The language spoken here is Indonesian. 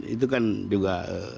itu kan juga